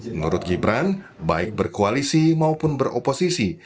menurut gibran baik berkoalisi maupun beroposisi